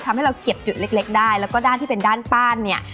ทำให้เราเก็บจุดเล็กได้แล้วก็ด้านที่เป็นด้านป้านเนี่ย